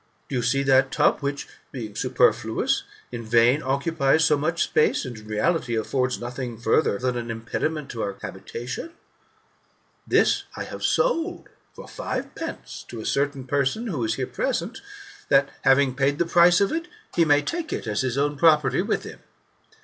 Do you' see that tub which, being superfluous, in vain occupies so much space, and, in reality, affords nothing farther than an impediment to our habitation ? This I have sold for five pence to a certain person, who is here present, that, having paid the price of it, he may take it, as his own property, with him.